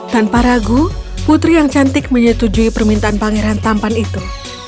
tanpa ragu putri yang cantik menyetujui permintaan pangeran tampan itu